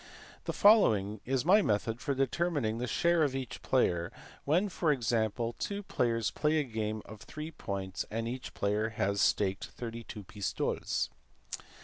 The following is my method for determining the share of each player, when, for example, two players play a game of three points and each player has staked 32 pistoles.